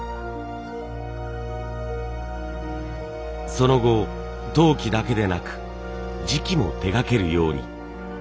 その後陶器だけでなく磁器も手がけるように。